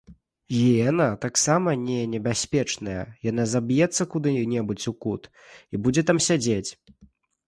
Гіена таксама не небяспечная, яна заб'ецца куды-небудзь у кут і будзе там сядзець.